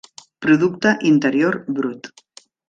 Producte Interior Brut.